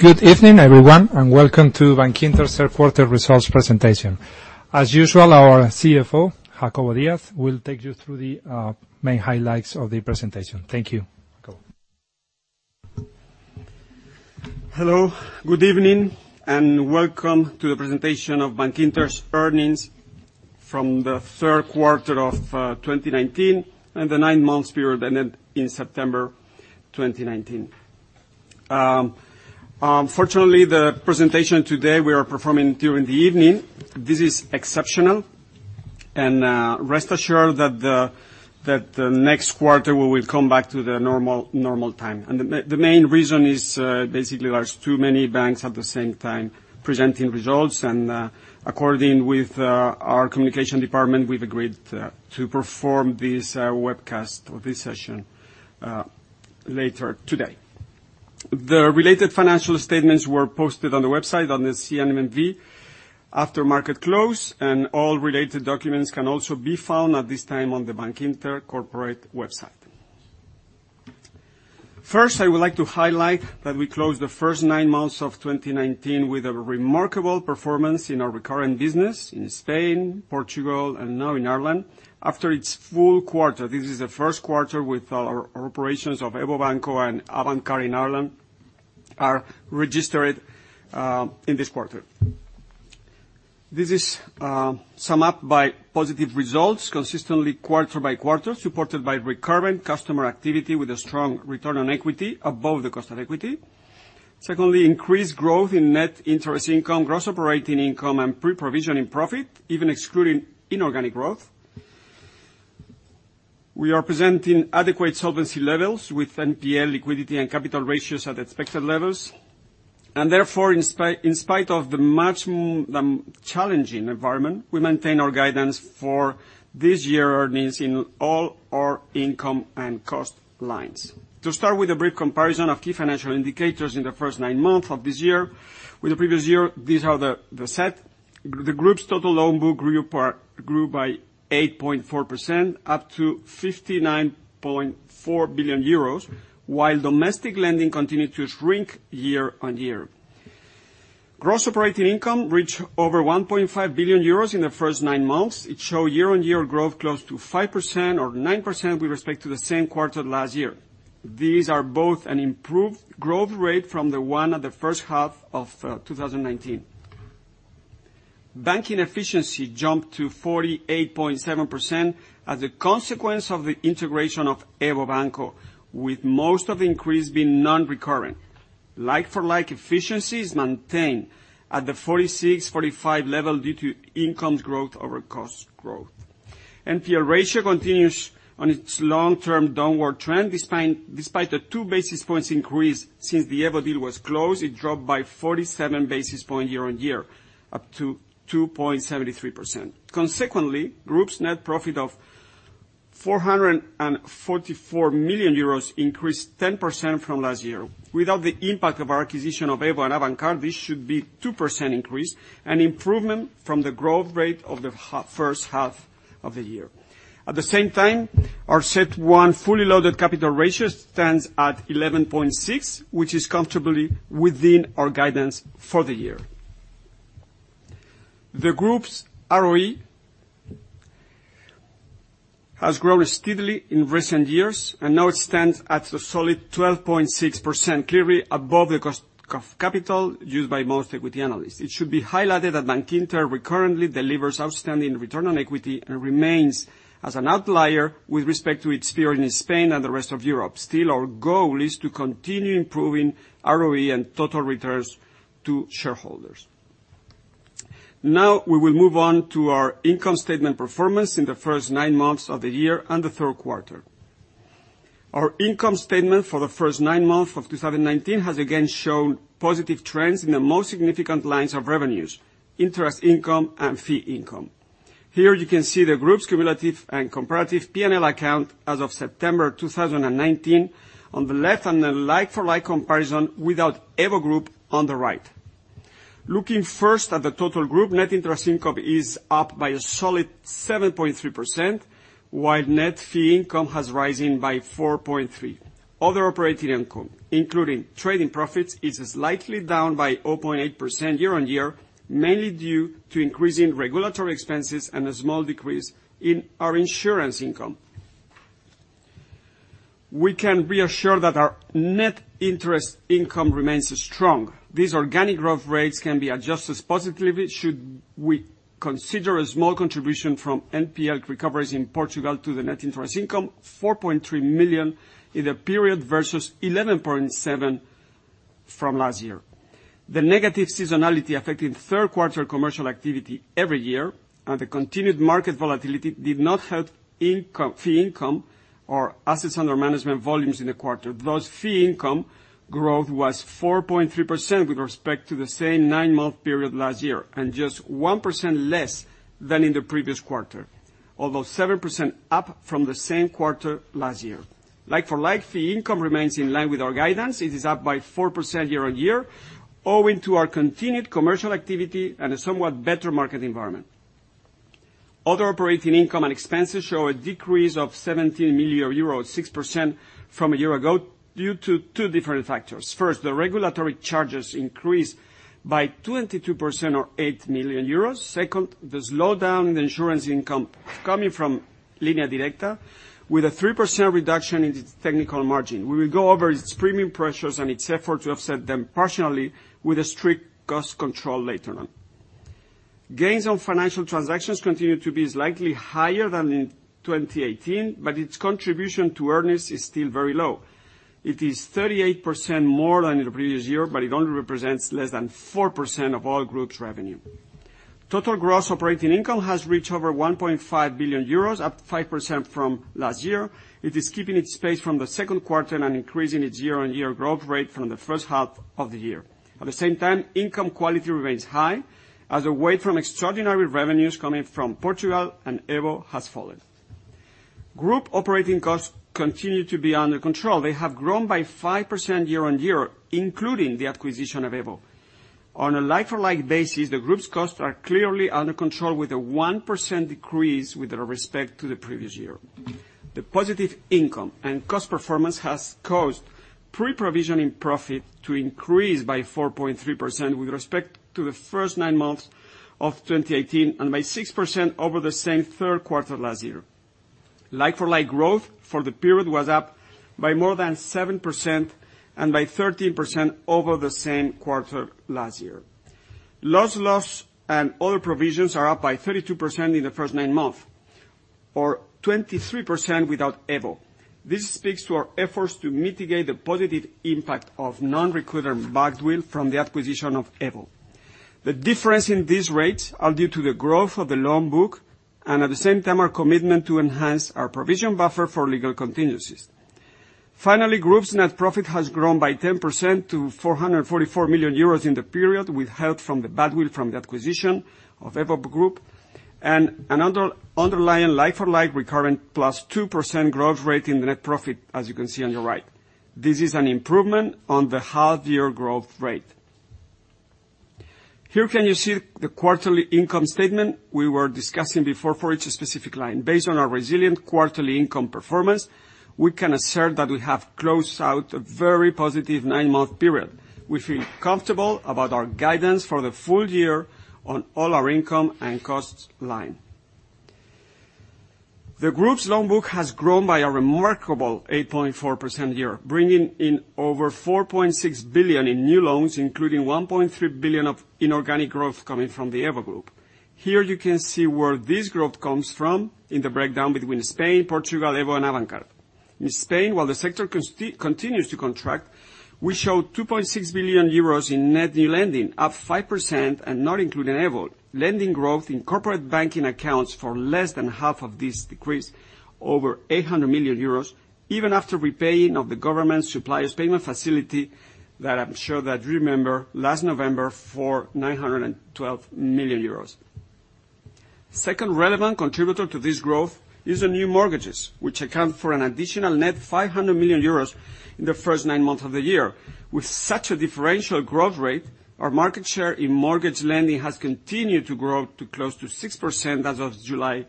Good evening, everyone, and welcome to Bankinter's third quarter results presentation. As usual, our CFO, Jacobo Díaz, will take you through the main highlights of the presentation. Thank you. Jacobo. Hello. Good evening, and welcome to the presentation of Bankinter's earnings from the third quarter of 2019, and the nine months period that ended in September 2019. Fortunately, the presentation today, we are performing during the evening. This is exceptional. Rest assured that the next quarter, we will come back to the normal time. The main reason is basically there's too many banks at the same time presenting results, and according with our communication department, we've agreed to perform this webcast of this session later today. The related financial statements were posted on the website on the CNMV after market close, and all related documents can also be found at this time on the Bankinter corporate website. First, I would like to highlight that we closed the first nine months of 2019 with a remarkable performance in our recurring business in Spain, Portugal, and now in Ireland, after its full quarter. This is the first quarter with our operations of EVO Banco and Avantcard in Ireland are registered in this quarter. This is summed up by positive results consistently quarter by quarter, supported by recurring customer activity with a strong return on equity above the cost of equity. Secondly, increased growth in net interest income, gross operating income, and pre-provision profit, even excluding inorganic growth. We are presenting adequate solvency levels with NPL liquidity and capital ratios at expected levels. Therefore, in spite of the much challenging environment, we maintain our guidance for this year earnings in all our income and cost lines. To start with a brief comparison of key financial indicators in the first nine months of this year, with the previous year, these are the set. The group's total loan book grew by 8.4%, up to 59.4 billion euros, while domestic lending continued to shrink year-on-year. Gross operating income reached over 1.5 billion euros in the first nine months. It showed year-on-year growth close to 5% or 9% with respect to the same quarter last year. These are both an improved growth rate from the one at the first half of 2019. Banking efficiency jumped to 48.7% as a consequence of the integration of EVO Banco, with most of the increase being non-recurring. Like for like efficiencies maintained at the 46, 45 level due to income growth over cost growth. NPL ratio continues on its long-term downward trend, despite the two basis points increase since the EVO deal was closed. It dropped by 47 basis point year-over-year, up to 2.73%. Consequently, group's net profit of 444 million euros increased 10% from last year. Without the impact of our acquisition of EVO and Avantcard, this should be 2% increase, an improvement from the growth rate of the first half of the year. At the same time, our CET1 fully loaded capital ratio stands at 11.6%, which is comfortably within our guidance for the year. The group's ROE has grown steadily in recent years and now it stands at a solid 12.6%, clearly above the cost of capital used by most equity analysts. It should be highlighted that Bankinter recurrently delivers outstanding return on equity and remains as an outlier with respect to its peers in Spain and the rest of Europe. Still, our goal is to continue improving ROE and total returns to shareholders. Now, we will move on to our income statement performance in the first nine months of the year and the third quarter. Our income statement for the first nine months of 2019 has again shown positive trends in the most significant lines of revenues, interest income and fee income. Here you can see the group's cumulative and comparative P&L account as of September 2019 on the left and a like-for-like comparison without EVO group on the right. Looking first at the total group, net interest income is up by a solid 7.3%, while net fee income has risen by 4.3%. Other operating income, including trading profits, is slightly down by 0.8% year-over-year, mainly due to increasing regulatory expenses and a small decrease in our insurance income. We can reassure that our net interest income remains strong. These organic growth rates can be adjusted positively should we consider a small contribution from NPL recoveries in Portugal to the net interest income, 4.3 million in the period versus 11.7 from last year. The negative seasonality affecting third quarter commercial activity every year and the continued market volatility did not help fee income or assets under management volumes in the quarter, thus fee income growth was 4.3% with respect to the same nine-month period last year and just 1% less than in the previous quarter. Although 7% up from the same quarter last year. Like for like, fee income remains in line with our guidance. It is up by 4% year on year, owing to our continued commercial activity and a somewhat better market environment. Other operating income and expenses show a decrease of 17 million euros, 6% from a year ago, due to two different factors. First, the regulatory charges increased by 22% or 8 million euros. Second, the slowdown in insurance income coming from Línea Directa, with a 3% reduction in its technical margin. We will go over its premium pressures and its effort to offset them partially with a strict cost control later on. Gains on financial transactions continue to be slightly higher than in 2018, but its contribution to earnings is still very low. It is 38% more than in the previous year, but it only represents less than 4% of all groups' revenue. Total gross operating income has reached over 1.5 billion euros, up 5% from last year. It is keeping its pace from the second quarter and increasing its year-on-year growth rate from the first half of the year. At the same time, income quality remains high as a weight from extraordinary revenues coming from Portugal and EVO has fallen. Group operating costs continue to be under control. They have grown by 5% year on year, including the acquisition of EVO. On a like-for-like basis, the group's costs are clearly under control with a 1% decrease with their respect to the previous year. The positive income and cost performance has caused pre-provision in profit to increase by 4.3% with respect to the first nine months of 2018 and by 6% over the same third quarter last year. Like-for-like growth for the period was up by more than 7% and by 13% over the same quarter last year. Loss and other provisions are up by 32% in the first nine month, or 23% without EVO. This speaks to our efforts to mitigate the positive impact of non-recurring goodwill from the acquisition of EVO. The difference in these rates are due to the growth of the loan book, and at the same time, our commitment to enhance our provision buffer for legal contingencies. Finally, group's net profit has grown by 10% to 444 million euros in the period, with help from the goodwill from the acquisition of EVO Banco. Another underlying like-for-like recurrent +2% growth rate in net profit, as you can see on your right. This is an improvement on the half-year growth rate. Here can you see the quarterly income statement we were discussing before for each specific line. Based on our resilient quarterly income performance, we can assert that we have closed out a very positive nine-month period. We feel comfortable about our guidance for the full year on all our income and costs line. The group's loan book has grown by a remarkable 8.4% year, bringing in over 4.6 billion in new loans, including 1.3 billion of inorganic growth coming from the EVO Group. Here you can see where this growth comes from in the breakdown between Spain, Portugal, EVO, and Avantcard. In Spain, while the sector continues to contract, we show 2.6 billion euros in net new lending, up 5% and not including EVO. Lending growth in corporate banking accounts for less than half of this decrease, over 800 million euros, even after repaying of the government suppliers payment facility that I'm sure that you remember last November for 912 million euros. Second relevant contributor to this growth is the new mortgages, which account for an additional net 500 million euros in the first nine months of the year. With such a differential growth rate, our market share in mortgage lending has continued to grow to close to 6% as of July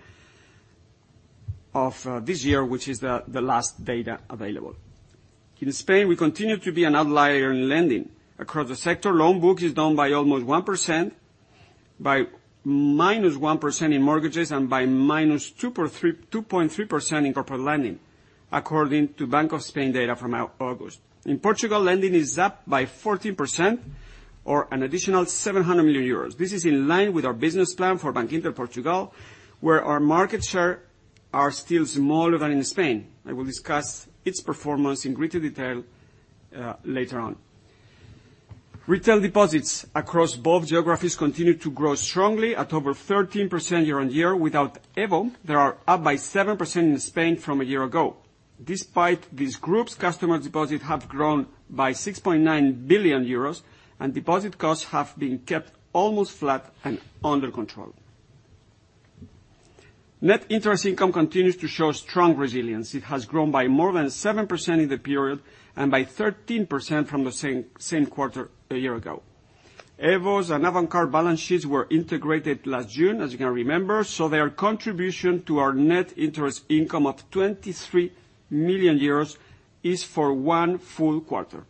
of this year, which is the last data available. In Spain, we continue to be an outlier in lending. Across the sector, loan book is down by almost 1%, by minus 1% in mortgages, and by minus 2.3% in corporate lending, according to Banco de España data from August. In Portugal, lending is up by 14% or an additional 700 million euros. This is in line with our business plan for Bankinter Portugal, where our market share are still smaller than in Spain. I will discuss its performance in greater detail later on. Retail deposits across both geographies continue to grow strongly at over 13% year-over-year. Without EVO, they are up by 7% in Spain from a year ago. Despite this group's customer deposit have grown by 6.9 billion euros and deposit costs have been kept almost flat and under control. Net interest income continues to show strong resilience. It has grown by more than 7% in the period and by 13% from the same quarter a year ago. EVO's and Avantcard balance sheets were integrated last June, as you can remember, so their contribution to our net interest income of 23 million euros is for one full quarter.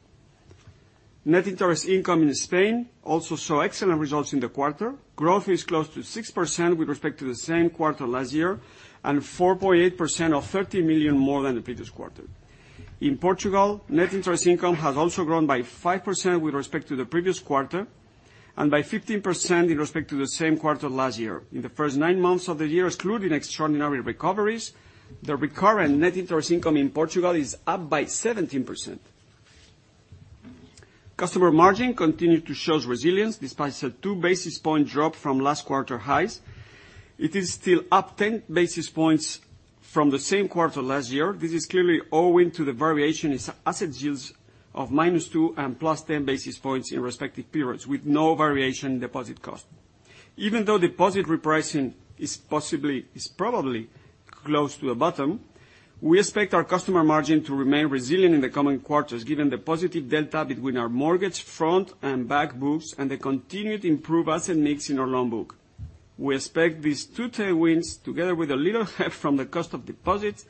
Net interest income in Spain also saw excellent results in the quarter. Growth is close to 6% with respect to the same quarter last year, and 4.8% or 30 million more than the previous quarter. In Portugal, net interest income has also grown by 5% with respect to the previous quarter and by 15% in respect to the same quarter last year. In the first nine months of the year, excluding extraordinary recoveries, the recurrent net interest income in Portugal is up by 17%. Customer margin continued to show resilience despite a two basis point drop from last quarter highs. It is still up 10 basis points from the same quarter last year. This is clearly owing to the variation in asset yields of minus two and plus 10 basis points in respective periods, with no variation in deposit cost. Even though deposit repricing is probably close to the bottom. We expect our customer margin to remain resilient in the coming quarters, given the positive delta between our mortgage front and back books and the continued improved asset mix in our loan book. We expect these two tailwinds, together with a little help from the cost of deposits,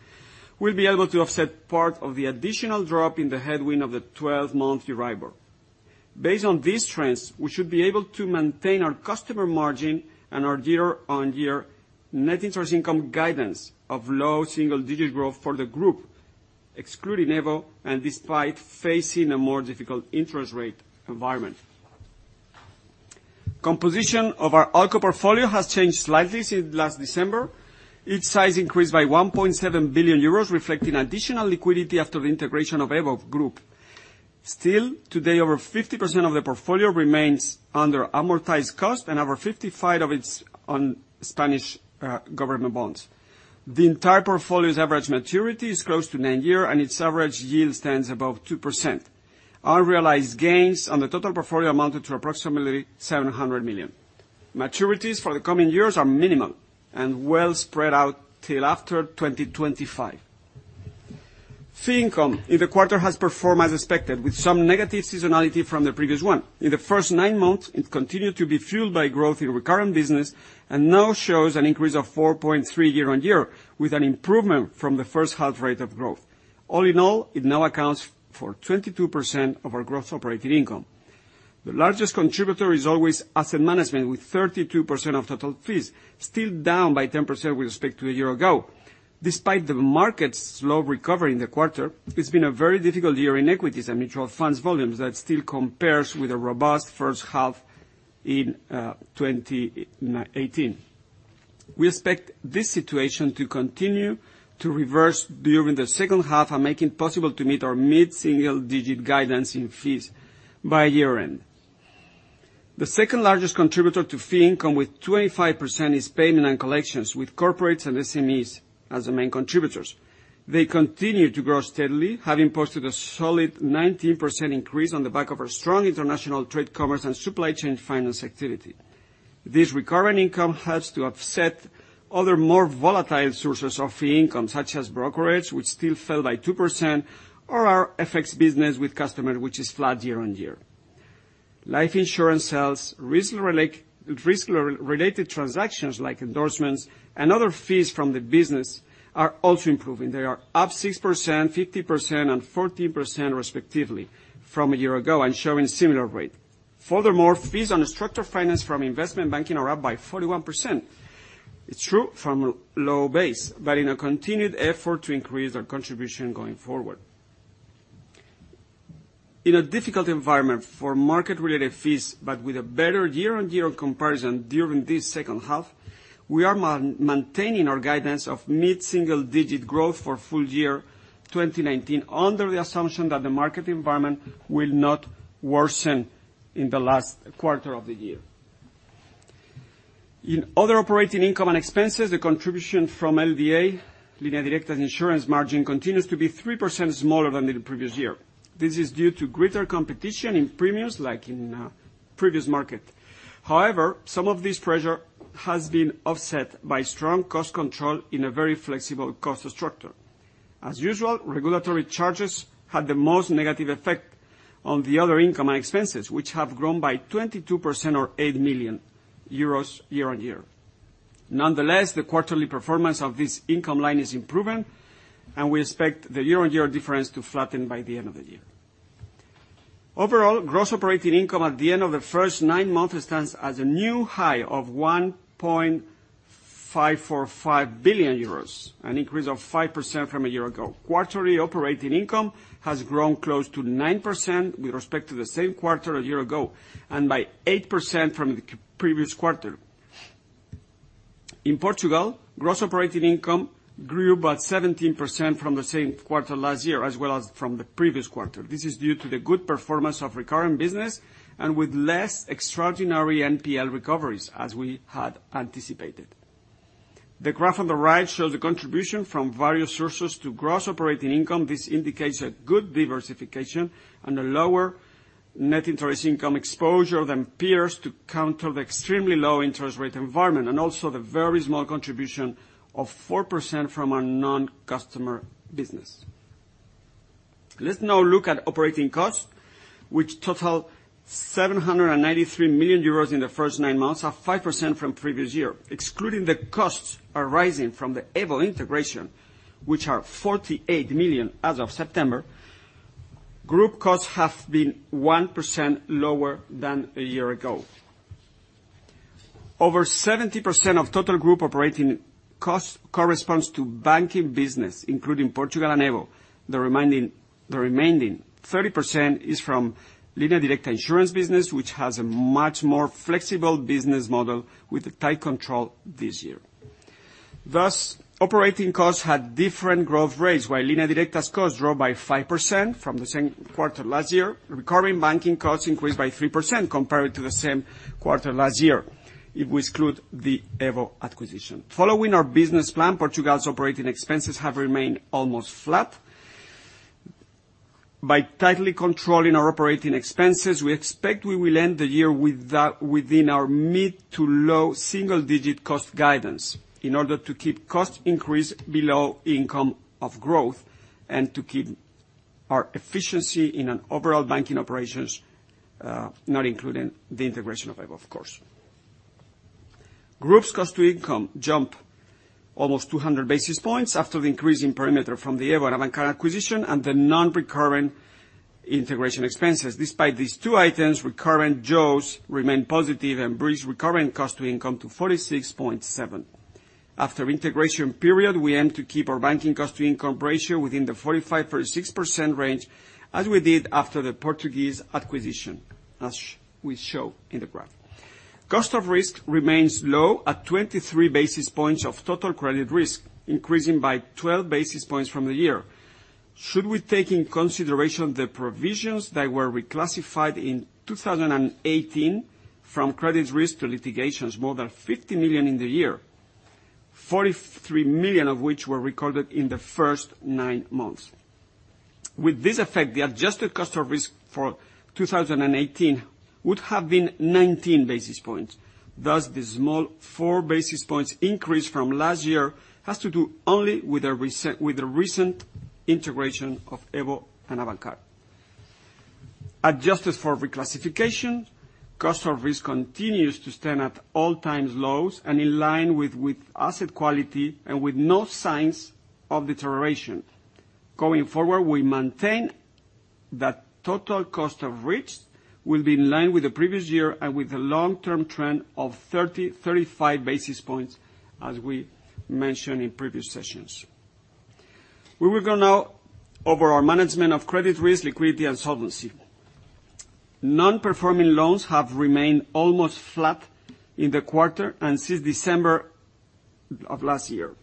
will be able to offset part of the additional drop in the headwind of the 12-month EURIBOR. Based on these trends, we should be able to maintain our customer margin and our year-on-year net interest income guidance of low single-digit growth for the group, excluding EVO, and despite facing a more difficult interest rate environment. Composition of our ALCO portfolio has changed slightly since last December. Its size increased by 1.7 billion euros, reflecting additional liquidity after the integration of EVO group. Still, today, over 50% of the portfolio remains under amortized cost and over 55 of it is on Spanish government bonds. The entire portfolio's average maturity is close to nine years, and its average yield stands above 2%. Unrealized gains on the total portfolio amounted to approximately 700 million. Maturities for the coming years are minimal and well spread out till after 2025. Fee income in the quarter has performed as expected, with some negative seasonality from the previous one. In the first nine months, it continued to be fueled by growth in recurrent business and now shows an increase of 4.3 year-on-year, with an improvement from the first half rate of growth. All in all, it now accounts for 22% of our gross operating income. The largest contributor is always asset management, with 32% of total fees, still down by 10% with respect to a year ago. Despite the market's slow recovery in the quarter, it's been a very difficult year in equities and mutual funds volumes. That still compares with a robust first half in 2018. We expect this situation to continue to reverse during the second half and make it possible to meet our mid-single-digit guidance in fees by year-end. The second-largest contributor to fee income, with 25%, is payment and collections, with corporates and SMEs as the main contributors. They continue to grow steadily, having posted a solid 19% increase on the back of our strong international trade, commerce, and supply chain finance activity. This recurrent income helps to offset other, more volatile sources of fee income, such as brokerage, which still fell by 2%, or our FX business with customers, which is flat year-on-year. Life insurance sales, risk-related transactions like endorsements, and other fees from the business are also improving. They are up 6%, 50%, and 14%, respectively, from a year ago and showing similar rate. Furthermore, fees on structured finance from investment banking are up by 41%. It's true from a low base, but in a continued effort to increase our contribution going forward. In a difficult environment for market-related fees, but with a better year-on-year comparison during this second half, we are maintaining our guidance of mid-single-digit growth for full year 2019, under the assumption that the market environment will not worsen in the last quarter of the year. In other operating income and expenses, the contribution from LDA, Línea Directa's insurance margin, continues to be 3% smaller than in the previous year. This is due to greater competition in premiums, like in previous market. However, some of this pressure has been offset by strong cost control in a very flexible cost structure. As usual, regulatory charges had the most negative effect on the other income and expenses, which have grown by 22% or 8 million euros year-on-year. Nonetheless, the quarterly performance of this income line is improving, and we expect the year-on-year difference to flatten by the end of the year. Overall, gross operating income at the end of the first nine months stands at a new high of 1.545 billion euros, an increase of 5% from a year ago. Quarterly operating income has grown close to 9% with respect to the same quarter a year ago, and by 8% from the previous quarter. In Portugal, gross operating income grew about 17% from the same quarter last year, as well as from the previous quarter. This is due to the good performance of recurring business, and with less extraordinary NPL recoveries, as we had anticipated. The graph on the right shows the contribution from various sources to gross operating income. This indicates a good diversification and a lower net interest income exposure than peers to counter the extremely low interest rate environment, and also the very small contribution of 4% from our non-customer business. Let's now look at operating costs, which totaled 793 million euros in the first nine months, up 5% from previous year. Excluding the costs arising from the EVO integration, which are 48 million as of September, group costs have been 1% lower than a year ago. Over 70% of total group operating cost corresponds to banking business, including Portugal and EVO. The remaining 30% is from Línea Directa insurance business, which has a much more flexible business model with tight control this year. Operating costs had different growth rates. While Línea Directa's costs dropped by 5% from the same quarter last year, recurring banking costs increased by 3% compared to the same quarter last year if we exclude the EVO acquisition. Following our business plan, Portugal's operating expenses have remained almost flat. By tightly controlling our operating expenses, we expect we will end the year within our mid to low single-digit cost guidance in order to keep cost increase below income of growth and to keep our efficiency in an overall banking operations, not including the integration of EVO, of course. Group's cost to income jump almost 200 basis points after the increase in perimeter from the EVO and Avantcard acquisition and the non-recurrent integration expenses. Despite these two items, recurrent jaws remain positive and brings recurrent cost to income to 46.7%. After integration period, we aim to keep our banking cost to income ratio within the 45%-46% range as we did after the Portuguese acquisition, as we show in the graph. Cost of risk remains low at 23 basis points of total credit risk, increasing by 12 basis points from the year. Should we take in consideration the provisions that were reclassified in 2018 from credit risk to litigations, more than 50 million in the year, 43 million of which were recorded in the first nine months. With this effect, the adjusted cost of risk for 2018 would have been 19 basis points. The small four basis points increase from last year has to do only with the recent integration of EVO and Avantcard. Adjusted for reclassification, cost of risk continues to stand at all times lows and in line with asset quality and with no signs of deterioration. Going forward, we maintain that total cost of risk will be in line with the previous year and with the long-term trend of 30, 35 basis points, as we mentioned in previous sessions. We will go now over our management of credit risk, liquidity, and solvency. Non-performing loans have remained almost flat in the quarter and since December of last year.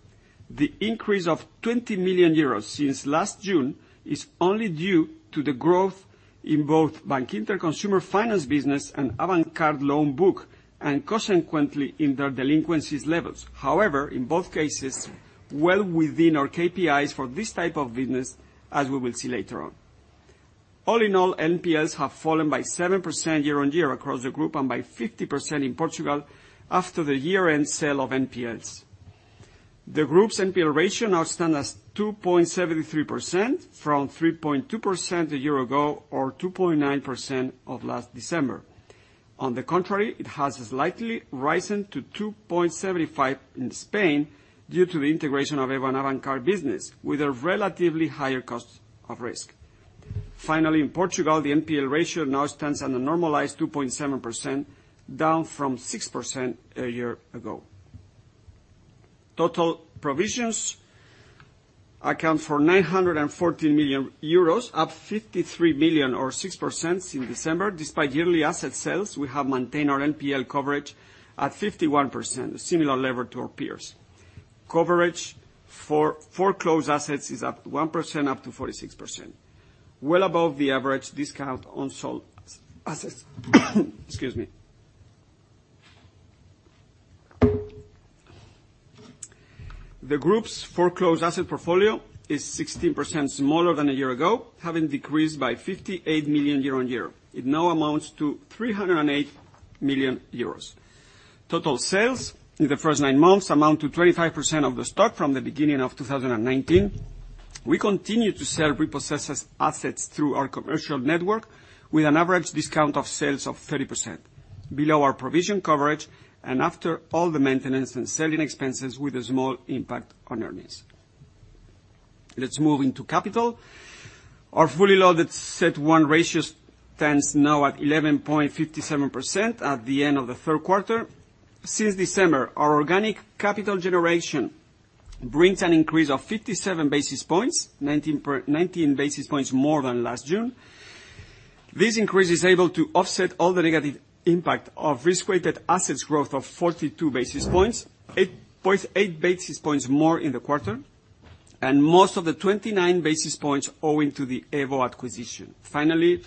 The increase of 20 million euros since last June is only due to the growth in both Bankinter Consumer Finance business and Avantcard loan book, and consequently, in their delinquencies levels. However, in both cases, well within our KPIs for this type of business, as we will see later on. All in all, NPLs have fallen by 7% year-on-year across the group and by 50% in Portugal after the year-end sale of NPLs. The group's NPL ratio now stand as 2.73% from 3.2% a year ago or 2.9% of last December. On the contrary, it has slightly risen to 2.75% in Spain due to the integration of EVO and Avantcard business, with a relatively higher cost of risk. Finally, in Portugal, the NPL ratio now stands at a normalized 2.7%, down from 6% a year ago. Total provisions account for 914 million euros, up 53 million or 6% in December. Despite yearly asset sales, we have maintained our NPL coverage at 51%, a similar level to our peers. Coverage for foreclosed assets is up 1%, up to 46%, well above the average discount on sold assets. Excuse me. The group's foreclosed asset portfolio is 16% smaller than a year ago, having decreased by 58 million year-on-year. It now amounts to 308 million euros. Total sales in the first nine months amount to 25% of the stock from the beginning of 2019. We continue to sell repossessed assets through our commercial network with an average discount of sales of 30%, below our provision coverage, and after all the maintenance and selling expenses with a small impact on earnings. Let's move into capital. Our fully loaded CET1 ratio stands now at 11.57% at the end of the third quarter. Since December, our organic capital generation brings an increase of 57 basis points, 19 basis points more than last June. This increase is able to offset all the negative impact of risk-weighted assets growth of 42 basis points, 8.8 basis points more in the quarter, and most of the 29 basis points owing to the EVO acquisition. Finally,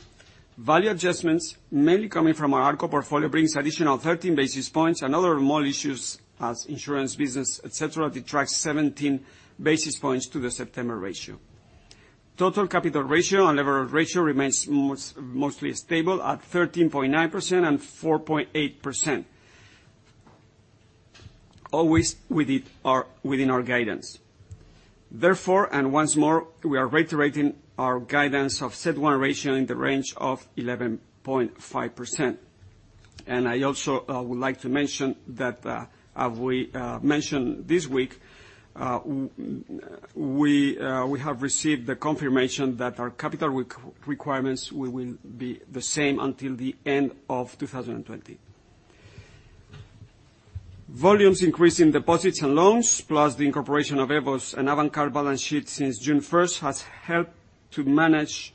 value adjustments, mainly coming from our ALCO portfolio, brings additional 13 basis points and other small issues as insurance business, et cetera, detracts 17 basis points to the September ratio. Total capital ratio and leverage ratio remains mostly stable at 13.9% and 4.8%, always within our guidance. Therefore, once more, we are reiterating our guidance of CET1 ratio in the range of 11.5%. I also would like to mention that, as we mentioned this week, we have received the confirmation that our capital requirements will be the same until the end of 2020. Volumes increase in deposits and loans, plus the incorporation of EVO's and Avantcard balance sheet since June 1st has helped to manage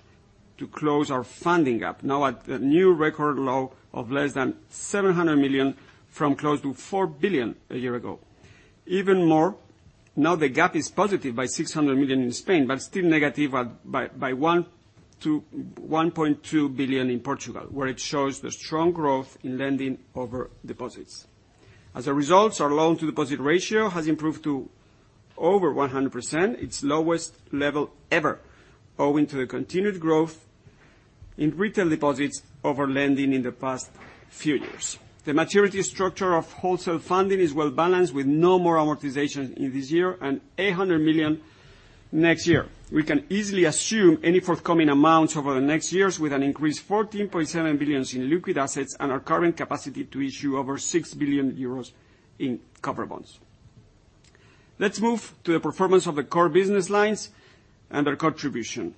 to close our funding gap, now at a new record low of less than 700 million from close to 4 billion a year ago. Now the gap is positive by 600 million in Spain, but still negative by 1.2 billion in Portugal, where it shows the strong growth in lending over deposits. As a result, our loan-to-deposit ratio has improved to over 100%, its lowest level ever, owing to the continued growth in retail deposits over lending in the past few years. The maturity structure of wholesale funding is well-balanced, with no more amortization in this year and 800 million next year. We can easily assume any forthcoming amounts over the next years, with an increased 14.7 billion in liquid assets and our current capacity to issue over 6 billion euros in cover bonds. Let's move to the performance of the core business lines and their contribution.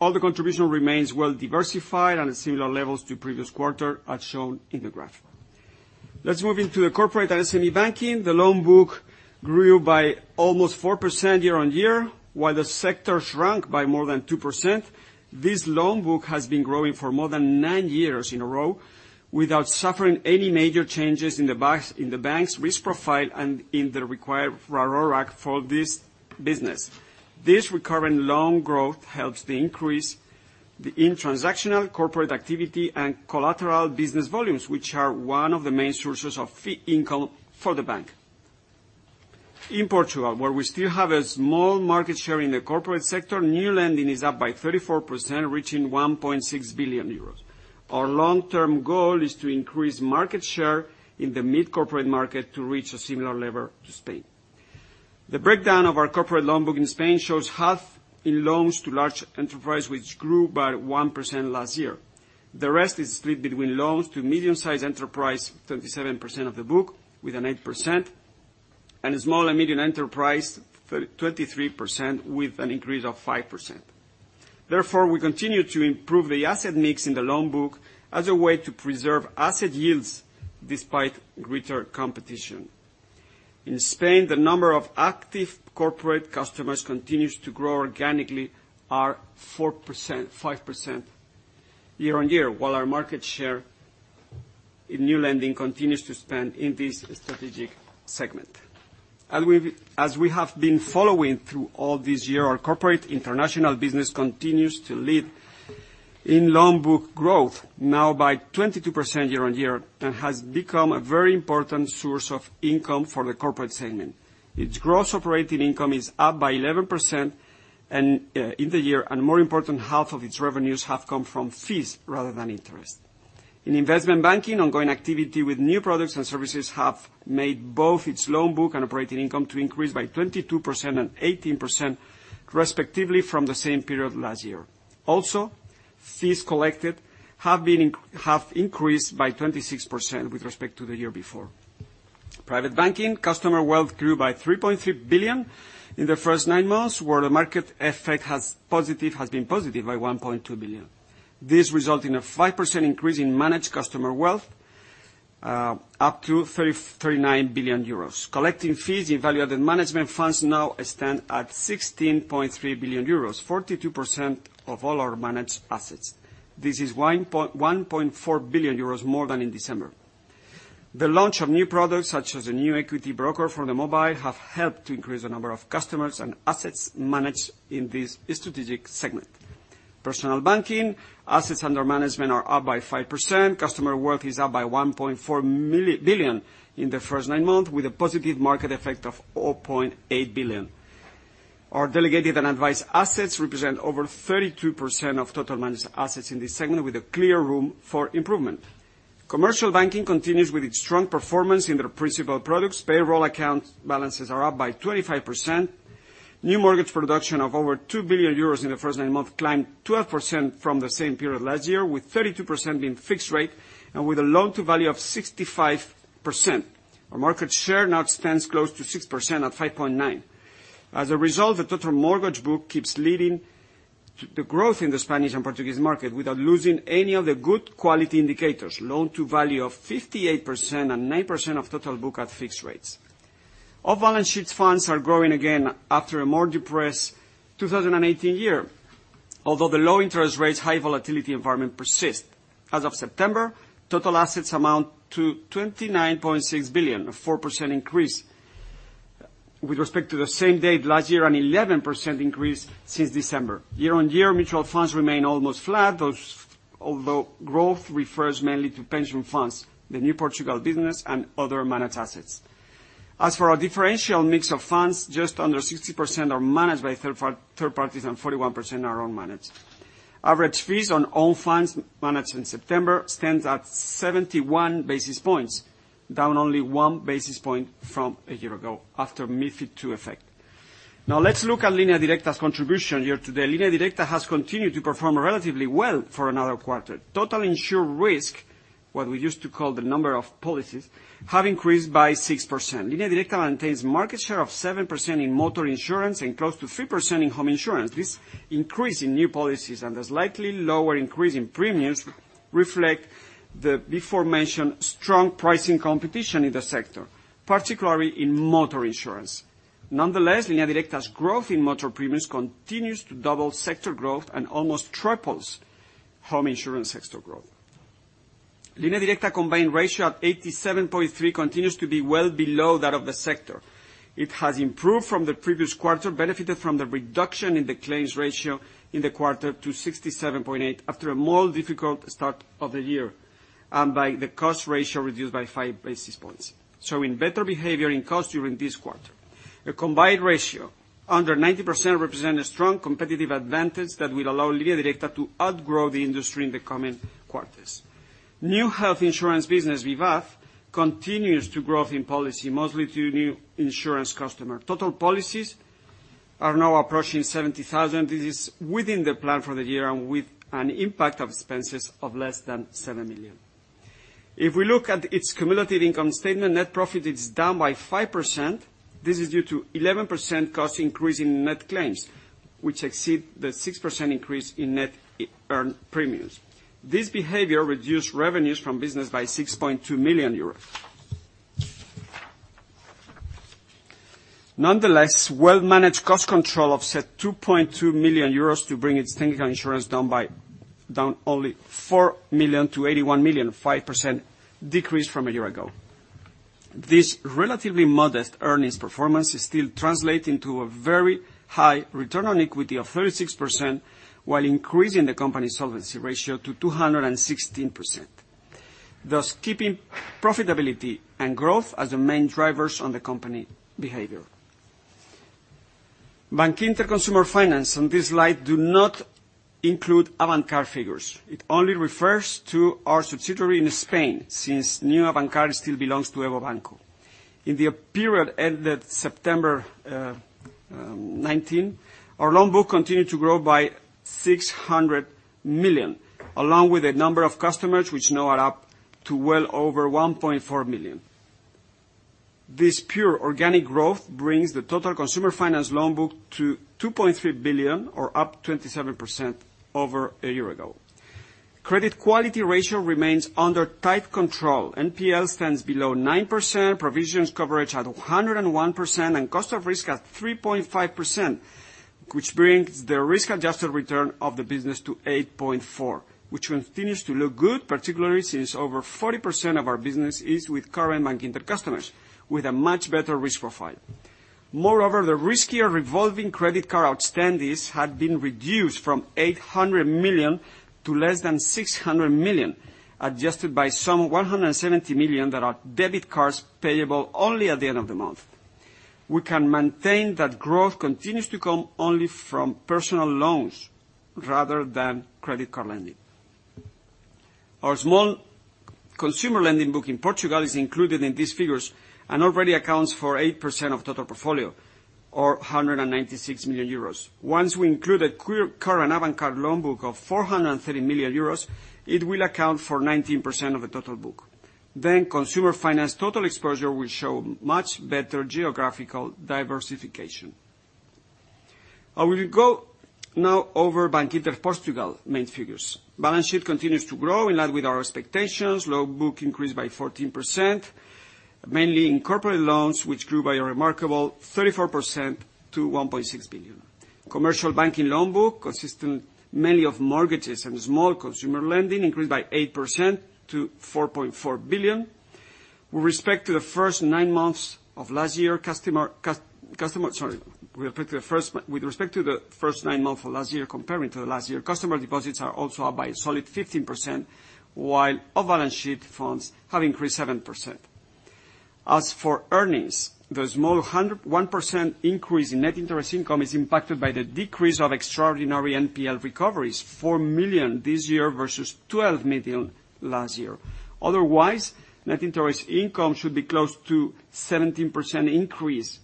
All the contribution remains well-diversified and at similar levels to previous quarter, as shown in the graph. Let's move into the corporate and SME banking. The loan book grew by almost 4% year-on-year, while the sector shrunk by more than 2%. This loan book has been growing for more than nine years in a row without suffering any major changes in the banks' risk profile and in the required RORAC for this business. This recurring loan growth helps to increase in transactional corporate activity and collateral business volumes, which are one of the main sources of fee income for the bank. In Portugal, where we still have a small market share in the corporate sector, new lending is up by 34%, reaching 1.6 billion euros. Our long-term goal is to increase market share in the mid-corporate market to reach a similar level to Spain. The breakdown of our corporate loan book in Spain shows half in loans to large enterprise, which grew by 1% last year. The rest is split between loans to medium-sized enterprise, 27% of the book with an 8%, and small and medium enterprise, 23% with an increase of 5%. We continue to improve the asset mix in the loan book as a way to preserve asset yields despite greater competition. In Spain, the number of active corporate customers continues to grow organically at 5% year-on-year, while our market share in new lending continues to expand in this strategic segment. As we have been following through all this year, our corporate international business continues to lead in loan book growth, now by 22% year-on-year, and has become a very important source of income for the corporate segment. Its gross operating income is up by 11% in the year, and more important, half of its revenues have come from fees rather than interest. In investment banking, ongoing activity with new products and services have made both its loan book and operating income to increase by 22% and 18%, respectively, from the same period last year. Also, fees collected have increased by 26% with respect to the year before. Private banking. Customer wealth grew by 3.3 billion in the first nine months, where the market effect has been positive by 1.2 billion. This result in a 5% increase in managed customer wealth, up to 39 billion euros. Collecting fees in value-added management funds now stand at 16.3 billion euros, 42% of all our managed assets. This is 1.4 billion euros more than in December. The launch of new products, such as the new equity broker for the mobile, have helped to increase the number of customers and assets managed in this strategic segment. Personal banking. Assets under management are up by 5%. Customer worth is up by 1.4 billion in the first nine months, with a positive market effect of 0.8 billion. Our delegated and advised assets represent over 32% of total managed assets in this segment, with a clear room for improvement. Commercial banking continues with its strong performance in their principal products. Payroll account balances are up by 25%. New mortgage production of over 2 billion euros in the first nine months climbed 12% from the same period last year, with 32% being fixed rate and with a loan-to-value of 65%. Our market share now stands close to 6% at 5.9%. As a result, the total mortgage book keeps leading the growth in the Spanish and Portuguese market without losing any of the good quality indicators. Loan-to-value of 58% and 9% of total book at fixed rates. Off-balance sheet funds are growing again after a more depressed 2018 year. Although the low interest rates, high volatility environment persists. As of September, total assets amount to 29.6 billion, a 4% increase with respect to the same date last year, an 11% increase since December. Year-on-year, mutual funds remain almost flat, although growth refers mainly to pension funds, the new Portugal business, and other managed assets. As for our differential mix of funds, just under 60% are managed by third parties, and 41% are own managed. Average fees on all funds managed in September stands at 71 basis points, down only one basis point from a year ago after MiFID II effect. Now let's look at Línea Directa's contribution here today. Línea Directa has continued to perform relatively well for another quarter. Total insured risk, what we used to call the number of policies, have increased by 6%. Línea Directa maintains market share of 7% in motor insurance and close to 3% in home insurance. This increase in new policies and a slightly lower increase in premiums reflect the beforementioned strong pricing competition in the sector, particularly in motor insurance. Nonetheless, Línea Directa's growth in motor premiums continues to double sector growth and almost triples home insurance sector growth. Línea Directa combined ratio at 87.3 continues to be well below that of the sector. It has improved from the previous quarter, benefited from the reduction in the claims ratio in the quarter to 67.8 after a more difficult start of the year, and by the cost ratio reduced by five basis points, showing better behavior in cost during this quarter. The combined ratio under 90% represent a strong competitive advantage that will allow Línea Directa to outgrow the industry in the coming quarters. New health insurance business, Vivaz, continues to grow in policy, mostly to new insurance customer. Total policies are now approaching 70,000. This is within the plan for the year and with an impact of expenses of less than 7 million. If we look at its cumulative income statement, net profit is down by 5%. This is due to 11% cost increase in net claims, which exceed the 6% increase in net earned premiums. This behavior reduced revenues from business by 6.2 million euros. Nonetheless, well-managed cost control offset 2.2 million euros to bring its technical insurance down only 4 million to 81 million, 5% decrease from a year ago. This relatively modest earnings performance is still translating to a very high return on equity of 36%, while increasing the company's solvency ratio to 216%, thus keeping profitability and growth as the main drivers on the company behavior. Bankinter Consumer Finance on this slide do not include Avantcard figures. It only refers to our subsidiary in Spain, since New Avantcard still belongs to EVO Banco. In the period ended September 19, our loan book continued to grow by 600 million, along with the number of customers, which now add up to well over 1.4 million. This pure organic growth brings the total consumer finance loan book to 2.3 billion, or up 27% over a year ago. Credit quality ratio remains under tight control. NPL stands below 9%, provisions coverage at 101%, and cost of risk at 3.5%, which brings the risk-adjusted return of the business to 8.4%, which continues to look good, particularly since over 40% of our business is with current Bankinter customers, with a much better risk profile. Moreover, the riskier revolving credit card outstandings had been reduced from 800 million to less than 600 million, adjusted by some 170 million that are debit cards payable only at the end of the month. We can maintain that growth continues to come only from personal loans rather than credit card lending. Our small consumer lending book in Portugal is included in these figures and already accounts for 8% of total portfolio, or 196 million euros. Once we include the current Avantcard loan book of 430 million euros, it will account for 19% of the total book. Consumer finance total exposure will show much better geographical diversification. I will go now over Bankinter Portugal main figures. Balance sheet continues to grow in line with our expectations. Loan book increased by 14%, mainly in corporate loans, which grew by a remarkable 34% to 1.6 billion. Commercial banking loan book, consisting mainly of mortgages and small consumer lending, increased by 8% to 4.4 billion. With respect to the first nine months of last year comparing to the last year, customer deposits are also up by a solid 15%, while off-balance sheet funds have increased 7%. As for earnings, the small 1% increase in net interest income is impacted by the decrease of extraordinary NPL recoveries, 4 million this year versus 12 million last year. Otherwise, net interest income should be close to 17% increase.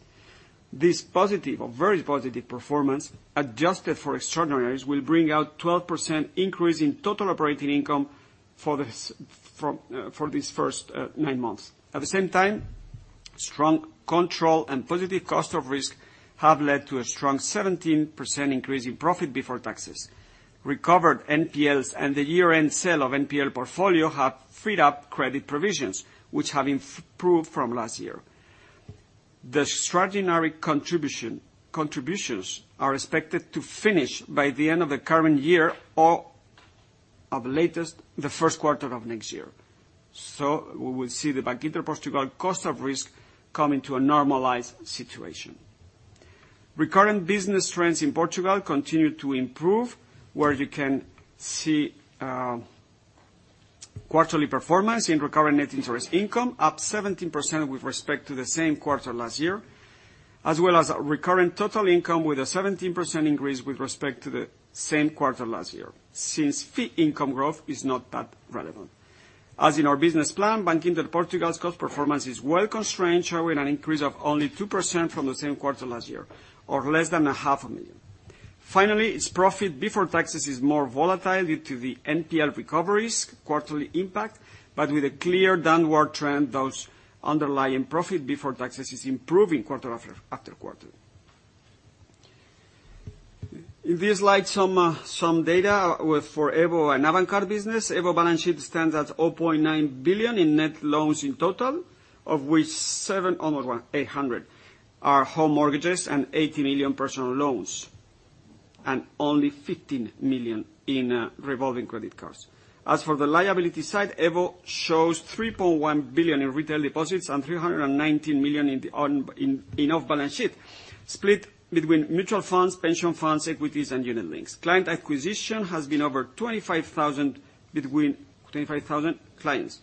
This positive or very positive performance, adjusted for extraordinaries, will bring out 12% increase in total operating income for these first nine months. At the same time, strong control and positive cost of risk have led to a strong 17% increase in profit before taxes. Recovered NPLs and the year-end sale of NPL portfolio have freed up credit provisions, which have improved from last year. The extraordinary contributions are expected to finish by the end of the current year or, at latest, the first quarter of next year. We will see the Bankinter Portugal cost of risk coming to a normalized situation. Recurrent business trends in Portugal continue to improve, where you can see quarterly performance in recurrent net interest income up 17% with respect to the same quarter last year, as well as recurrent total income with a 17% increase with respect to the same quarter last year, since fee income growth is not that relevant. As in our business plan, Bankinter Portugal's cost performance is well constrained, showing an increase of only 2% from the same quarter last year, or less than a half a million. Finally, its profit before taxes is more volatile due to the NPL recoveries quarterly impact, but with a clear downward trend, thus underlying profit before taxes is improving quarter after quarter. In this slide, some data for EVO and Avantcard business. EVO balance sheet stands at 0.9 billion in net loans in total, of which 7, almost 800, are home mortgages and 80 million personal loans, and only 15 million in revolving credit cards. As for the liability side, EVO shows 3.1 billion in retail deposits and 319 million in off-balance sheet. Split between mutual funds, pension funds, equities, and unit-linked. Client acquisition has been over 25,000 clients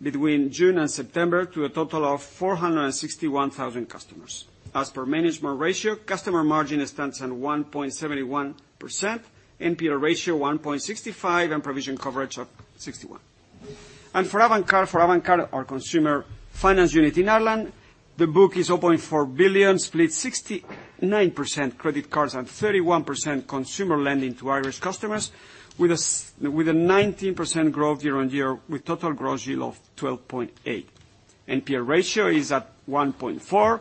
between June and September to a total of 461,000 customers. As per management ratio, customer margin stands at 1.71%, NPL ratio 1.65%, and provision coverage of 61%. For Avantcard, our consumer finance unit in Ireland, the book is 0.4 billion, split 69% credit cards and 31% consumer lending to Irish customers, with a 19% growth year-on-year with total gross yield of 12.8%. NPL ratio is at 1.4%,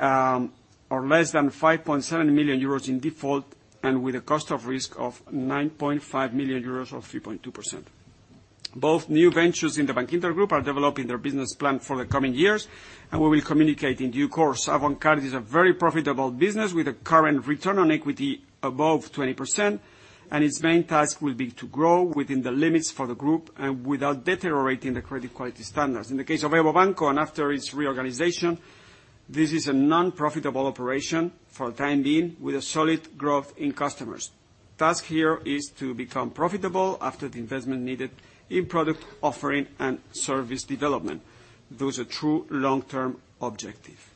or less than 5.7 million euros in default, and with a cost of risk of 9.5 million euros or 3.2%. Both new ventures in the Bankinter Group are developing their business plan for the coming years, and we will communicate in due course. Avantcard is a very profitable business with a current return on equity above 20%, and its main task will be to grow within the limits for the group and without deteriorating the credit quality standards. In the case of EVO Banco, and after its reorganization, this is a non-profitable operation for the time being with a solid growth in customers. Task here is to become profitable after the investment needed in product offering and service development. Those are true long-term objective.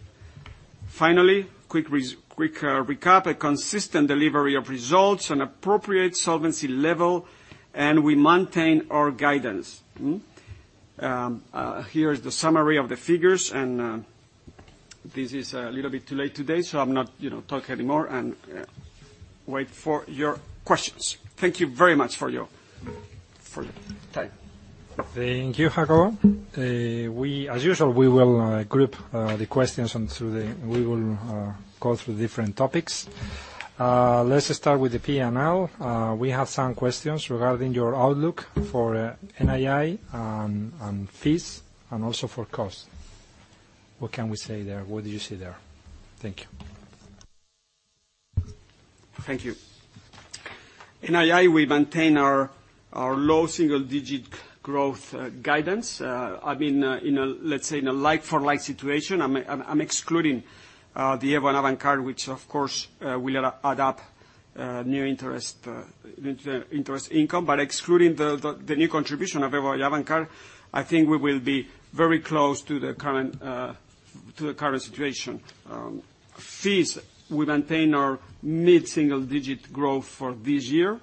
Finally, quick recap. A consistent delivery of results and appropriate solvency level, and we maintain our guidance. Here is the summary of the figures, and this is a little bit too late today, so I'm not talking anymore and wait for your questions. Thank you very much for your time. Thank you, Jacobo. As usual, we will group the questions, and we will go through different topics. Let's start with the P&L. We have some questions regarding your outlook for NII, on fees, and also for cost. What can we say there? What do you see there? Thank you. Thank you. NII, we maintain our low single-digit growth guidance. Let's say in a like-for-like situation, I'm excluding the EVO and Avantcard, which, of course, will add up new interest income. Excluding the new contribution of EVO and Avantcard, I think we will be very close to the current situation. Fees, we maintain our mid-single-digit growth for this year.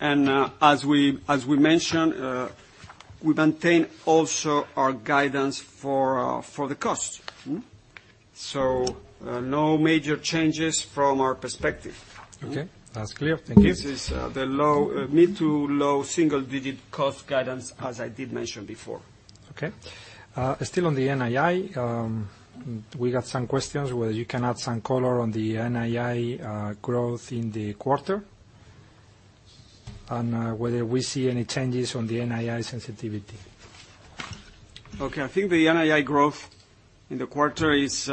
As we mentioned, we maintain also our guidance for the cost. No major changes from our perspective. Okay. That's clear. Thank you. This is the mid to low single-digit cost guidance, as I did mention before. Okay. Still on the NII, we got some questions, whether you can add some color on the NII growth in the quarter, and whether we see any changes on the NII sensitivity. Okay. I think the NII growth in the quarter is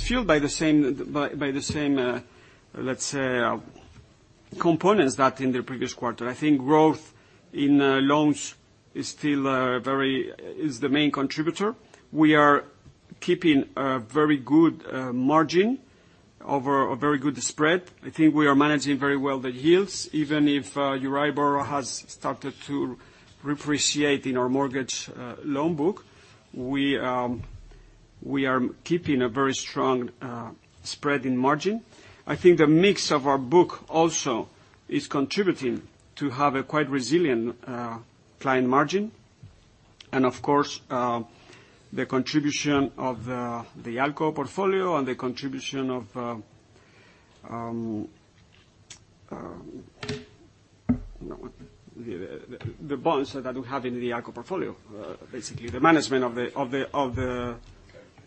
fueled by the same, let's say, components that in the previous quarter. I think growth in loans is the main contributor. We are keeping a very good margin over a very good spread. I think we are managing very well the yields. Even if Euribor has started to reappreciate in our mortgage loan book, we are keeping a very strong spread in margin. I think the mix of our book also is contributing to have a quite resilient client margin. Of course, the contribution of the ALCO portfolio and the contribution of the bonds that we have in the ALCO portfolio, basically the management of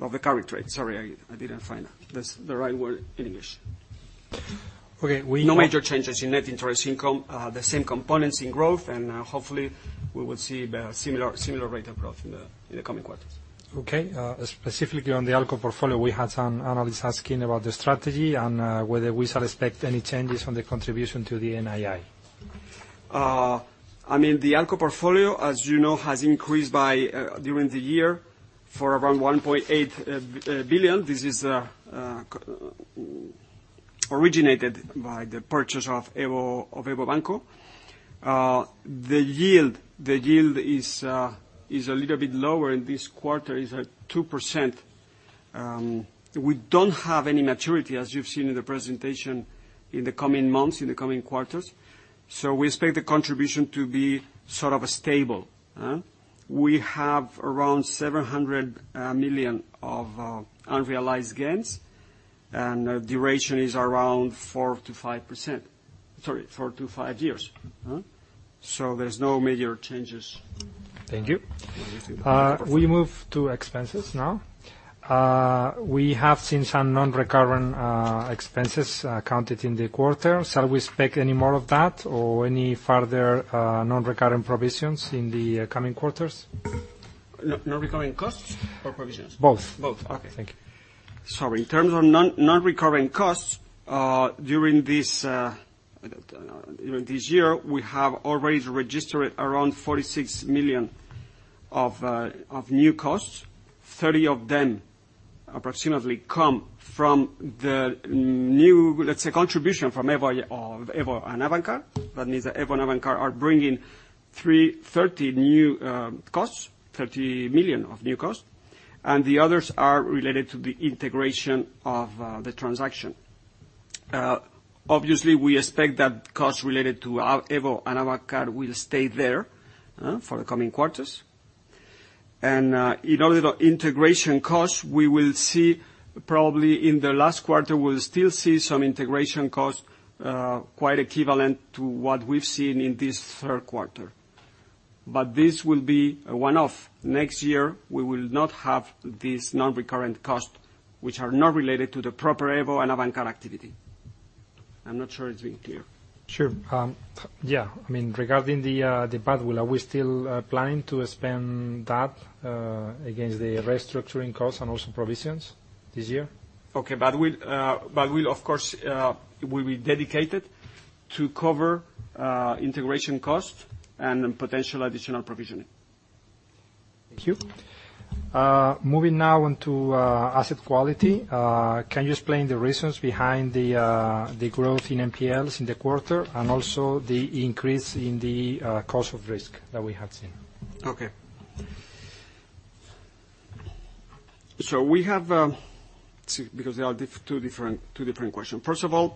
the current rate. Sorry, I didn't find the right word in English. Okay. No major changes in net interest income. The same components in growth, and hopefully we will see similar rate of growth in the coming quarters. Okay. Specifically on the ALCO portfolio, we had some analysts asking about the strategy and whether we shall expect any changes on the contribution to the NII. The ALCO portfolio, as you know, has increased during the year for around 1.8 billion. This is originated by the purchase of EVO Banco. The yield is a little bit lower in this quarter, is at 2%. We don't have any maturity, as you've seen in the presentation, in the coming months, in the coming quarters. We expect the contribution to be sort of stable. We have around 700 million of unrealized gains, and duration is around 4%-5%. Sorry, 4-5 years. There's no major changes. Thank you. In the ALCO portfolio. We move to expenses now. We have seen some non-recurrent expenses counted in the quarter. Shall we expect any more of that or any further non-recurrent provisions in the coming quarters? Non-recurrent costs or provisions? Both. Both. Okay. Thank you. Sorry. In terms of non-recurring costs, this year, we have already registered around 46 million of new costs. 30 of them, approximately, come from the, let's say, contribution from EVO and Avantcard. That means that EVO and Avantcard are bringing 30 million of new costs, and the others are related to the integration of the transaction. Obviously, we expect that costs related to our EVO and Avantcard will stay there for the coming quarters. In order to integration costs, we will see probably in the last quarter, we'll still see some integration costs, quite equivalent to what we've seen in this third quarter. This will be a one-off. Next year, we will not have these non-recurrent costs, which are not related to the proper EVO and Avantcard activity. I'm not sure it's being clear. Sure. Yeah. Regarding the badwill, are we still planning to spend that against the restructuring costs and also provisions this year? Okay. Badwill, of course, will be dedicated to cover integration costs and potential additional provisioning. Thank you. Moving now into asset quality. Can you explain the reasons behind the growth in NPLs in the quarter and also the increase in the cost of risk that we have seen? Okay. We have Because they are two different questions. First of all,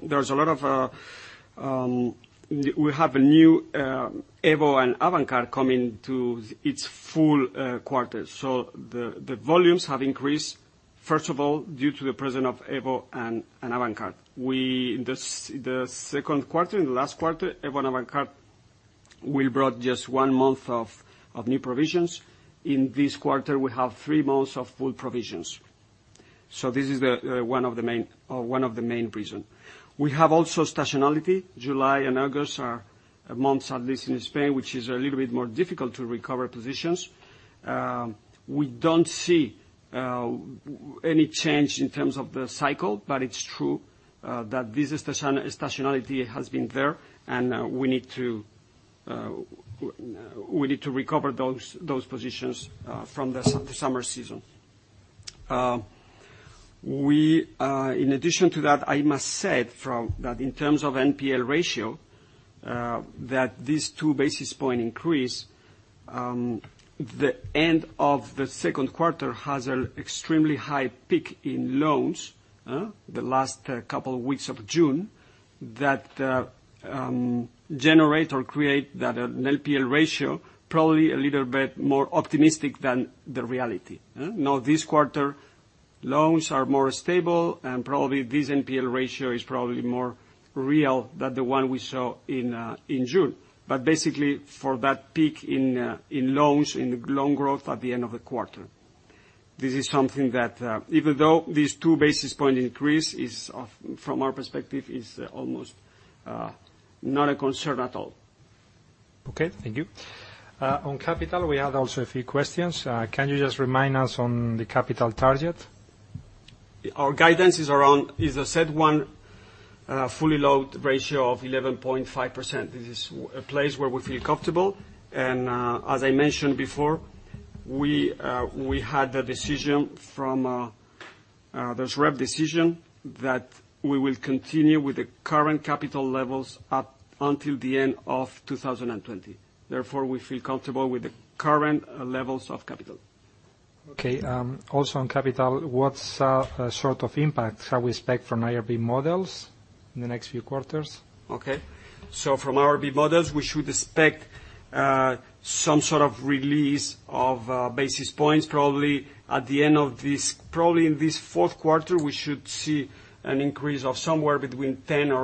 we have a new EVO and Avantcard coming to its full quarter. The volumes have increased, first of all, due to the presence of EVO and Avantcard. The second quarter, in the last quarter, EVO and Avantcard, we brought just one month of new provisions. In this quarter, we have three months of full provisions. This is one of the main reason. We have also seasonality. July and August are months, at least in Spain, which is a little bit more difficult to recover positions. We don't see any change in terms of the cycle, but it's true that this seasonality has been there, and we need to recover those positions from the summer season. In addition to that, I must say that in terms of NPL ratio, that this two basis point increase, the end of the second quarter has an extremely high peak in loans, the last couple weeks of June, that generate or create that NPL ratio probably a little bit more optimistic than the reality. Now, this quarter, loans are more stable, and probably this NPL ratio is probably more real than the one we saw in June, basically for that peak in loans, in loan growth at the end of the quarter. This is something that even though this two basis point increase is, from our perspective, is almost not a concern at all. Okay, thank you. On capital, we had also a few questions. Can you just remind us on the capital target? Our guidance is a CET1, fully loaded ratio of 11.5%. This is a place where we feel comfortable. As I mentioned before, we had the decision from SREP decision that we will continue with the current capital levels up until the end of 2020. Therefore, we feel comfortable with the current levels of capital. Okay. Also, on capital, what sort of impact shall we expect from IRB models in the next few quarters? From IRB models, we should expect some sort of release of basis points, probably in this fourth quarter, we should see an increase of somewhere between 10,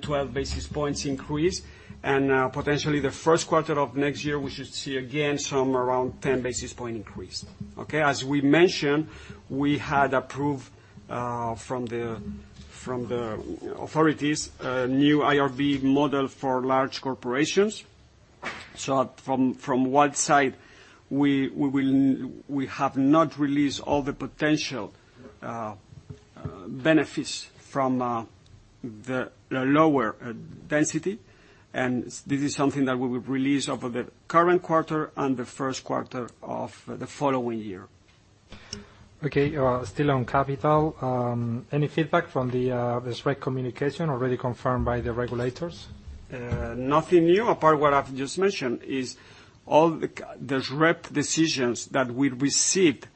12 basis points increase. Potentially the first quarter of next year, we should see again some around 10 basis point increase. As we mentioned, we had approved from the authorities a new IRB model for large corporations. From one side, we have not released all the potential benefits from the lower density, and this is something that we will release over the current quarter and the first quarter of the following year. Okay, still on capital. Any feedback from the SREP communication already confirmed by the regulators? Nothing new, apart what I've just mentioned, is all the SREP decisions that we received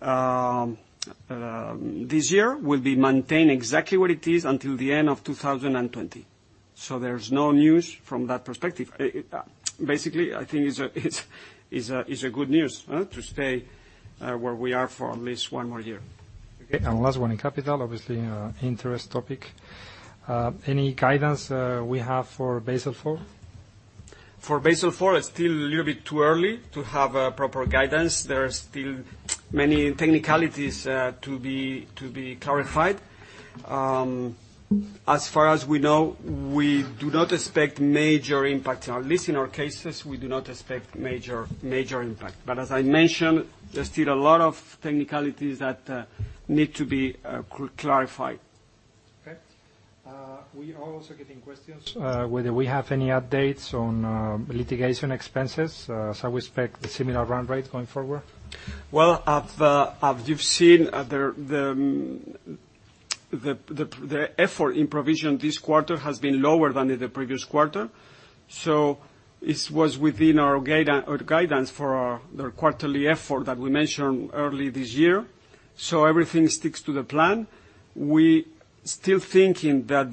this year will be maintained exactly what it is until the end of 2020. There's no news from that perspective. Basically, I think it's a good news to stay where we are for at least one more year. Okay. Last one in capital, obviously, interest topic. Any guidance we have for Basel IV? For Basel IV, it's still a little bit too early to have a proper guidance. There are still many technicalities to be clarified. As far as we know, we do not expect major impact. At least in our cases, we do not expect major impact. As I mentioned, there's still a lot of technicalities that need to be clarified. Okay. We are also getting questions whether we have any updates on litigation expenses. Shall we expect the similar run rate going forward? Well, as you've seen, the effort in provision this quarter has been lower than in the previous quarter. It was within our guidance for the quarterly effort that we mentioned early this year. Everything sticks to the plan. We still thinking that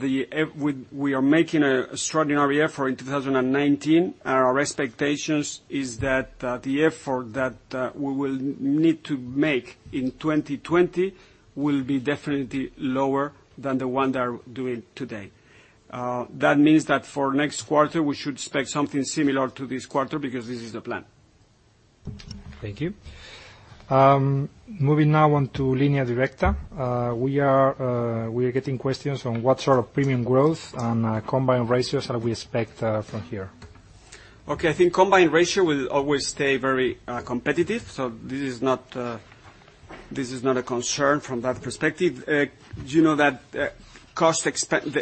we are making an extraordinary effort in 2019, and our expectations is that the effort that we will need to make in 2020 will be definitely lower than the one that we're doing today. That means that for next quarter, we should expect something similar to this quarter because this is the plan. Thank you. Moving now on to Línea Directa. We are getting questions on what sort of premium growth and combined ratios are we expect from here. Okay. I think combined ratio will always stay very competitive. This is not a concern from that perspective. You know that the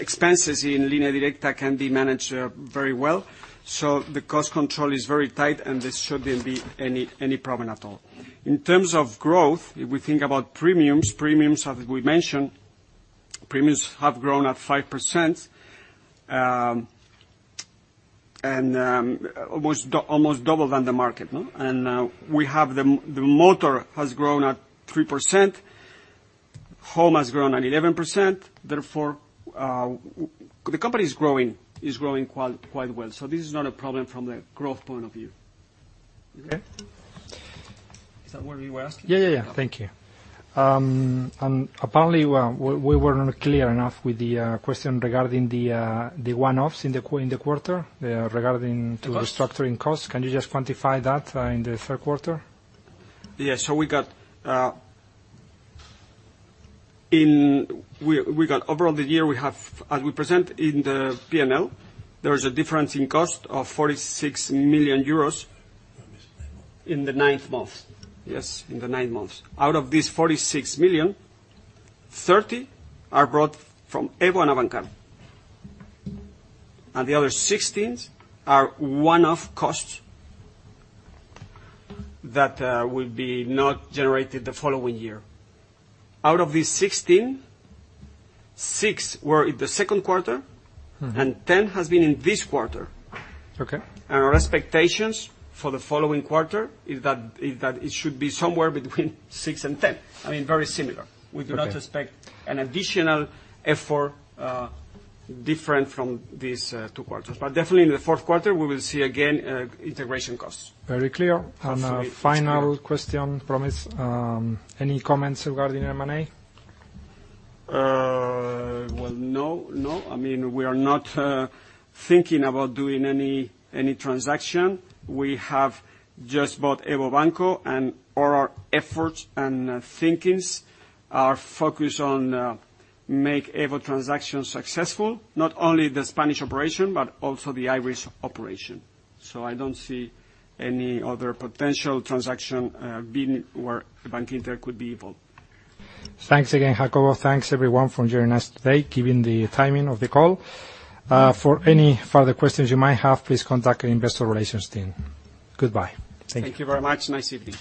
expenses in Línea Directa can be managed very well. The cost control is very tight, and this shouldn't be any problem at all. In terms of growth, if we think about premiums, as we mentioned, premiums have grown at 5%, and almost double than the market. We have the motor has grown at 3%, home has grown at 11%, therefore, the company is growing quite well. This is not a problem from the growth point of view. Okay. Is that what you were asking? Yeah. Thank you. Apparently, we were not clear enough with the question regarding the one-offs in the quarter. The costs? to the restructuring costs. Can you just quantify that in the third quarter? Yes. Over the year, as we present in the P&L, there is a difference in cost of 46 million euros- No, it's nine months in the ninth month. Yes, in the nine months. Out of these 46 million, 30 million are brought from EVO and Avantcard. The other 16 million are one-off costs that will be not generated the following year. Out of these 16 million, 6 million were in the second quarter, 10 million has been in this quarter. Okay. Our expectations for the following quarter is that it should be somewhere between six and 10. Very similar. Okay. We do not expect an additional effort different from these two quarters. Definitely in the fourth quarter, we will see again integration costs. Very clear. Hopefully it's clear. Final question promise, any comments regarding M&A? Well, no. We are not thinking about doing any transaction. We have just bought EVO Banco, and all our efforts and thinkings are focused on make EVO transaction successful, not only the Spanish operation, but also the Irish operation. I don't see any other potential transaction where Bankinter could be involved. Thanks again, Jacobo. Thanks everyone for joining us today. Given the timing of the call, for any further questions you might have, please contact the investor relations team. Goodbye. Thank you. Thank you very much. Nice evening.